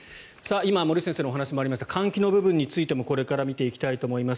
今、森内先生のお話にもありました換気についても見ていきたいと思います。